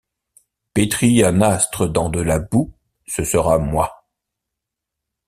Pétris un astre dans de la boue, ce sera moi.